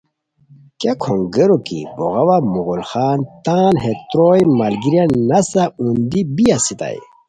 کیہ کھونگیرو کی بوغاوا مغل خان تان ہے تروئے ملگیریان نسہ اوندی بی اسیتائے